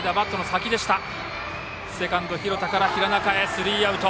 スリーアウト。